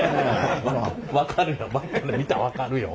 分かるよ。